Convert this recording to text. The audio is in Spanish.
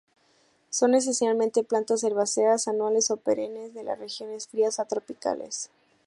Son esencialmente plantas herbáceas, anuales o perennes, de las regiones frías a tropicales.